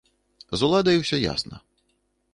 З уладай усё ясна.